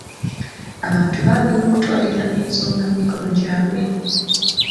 Abantu baagala okutwalira ensonga mu mikono gyabwe.